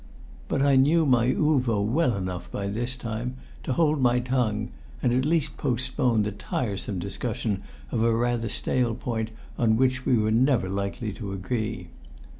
But I knew my Uvo well enough by this time to hold my tongue, and at least postpone the tiresome discussion of a rather stale point on which we were never likely to agree.